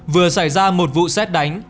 vừa xảy ra một vụ xét đánh